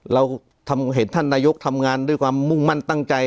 เราเห็นท่านนายกทำงานด้วยความมุ่งมั่นตั้งใจ